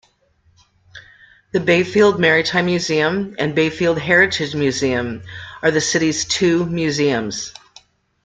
The Bayfield Maritime Museum and Bayfield Heritage Museum are the city's two museums.